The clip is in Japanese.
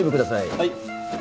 はい。